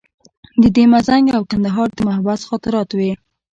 د ده مزنګ او کندهار د محبس خاطرات وې.